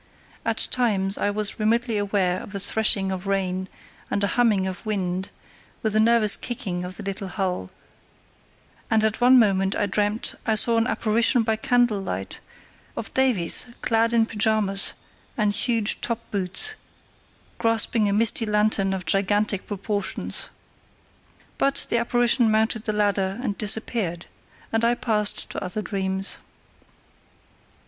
At times I was remotely aware of a threshing of rain and a humming of wind, with a nervous kicking of the little hull, and at one moment I dreamt I saw an apparition by candle light of Davies, clad in pyjamas and huge top boots, grasping a misty lantern of gigantic proportions. But the apparition mounted the ladder and disappeared, and I passed to other dreams.